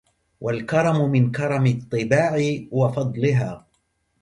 والكرم من كرم الطباع وفضلها